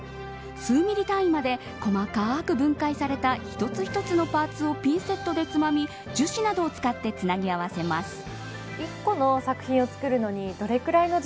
数ミリ単位まで細かく分解された一つ一つのパーツをピンセットでつまみ樹脂などを使ってつなぎ合わせます。